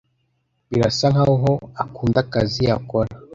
Birasa nkaho akunda akazi akora.